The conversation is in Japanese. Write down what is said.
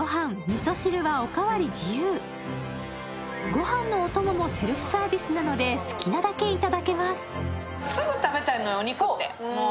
ごはんのお供もセルフサービスなので、好きなだけいただけます。